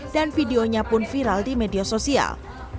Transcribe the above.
dan videonya pun viral di media sosial